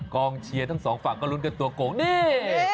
กองเชียร์ทั้งสองฝั่งก็ลุ้นกันตัวโกงนี่